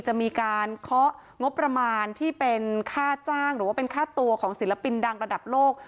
จะมีการเคาะงบประมาณที่เป็นค่าจ้างหรือว่าเป็นค่าตัวของศิลปินดังระดับโลก